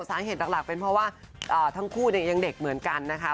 สาเหตุหลักเป็นเพราะว่าทั้งคู่ยังเด็กเหมือนกันนะคะ